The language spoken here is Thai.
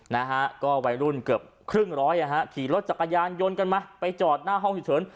นะฮะก็วัยรุ่นเกือบครึ่งร้อยอ่ะฮะขี่รถจักรยานยนต์กันมาไปจอดหน้าห้องฉุกเฉิน